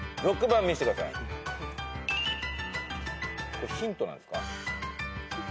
これヒントなんですか？